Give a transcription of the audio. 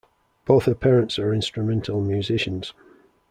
Both her parents are instrumental musicians.